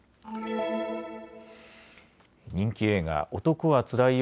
人気映画、男はつらいよ